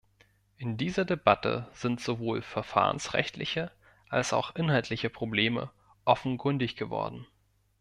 In dieser Debatte sind sowohl verfahrensrechtliche als auch inhaltliche Probleme offenkundig geworden.